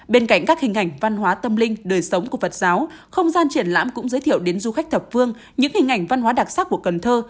bên cạnh các hình ảnh văn hóa tâm linh đời sống của phật giáo không gian triển lãm cũng giới thiệu đến du khách thập phương những hình ảnh văn hóa đặc sắc của cần thơ